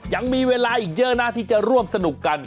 ยังมีเวลาอีกเยอะนะที่จะร่วมสนุกกัน